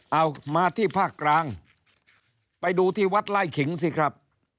เอามาที่ภาคกลางไปดูที่วัดไล่ขิงสิครับ